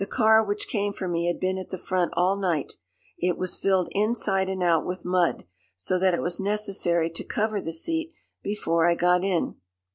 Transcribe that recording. The car which came for me had been at the front all night. It was filled inside and out with mud, so that it was necessary to cover the seat before I got in.